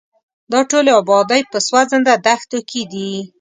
دا ټولې ابادۍ په سوځنده دښتو کې دي.